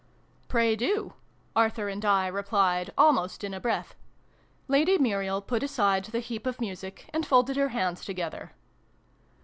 Pray do," Arthur and I replied, almost in a breath. Lady Muriel put aside the heap of music, and folded her hands together.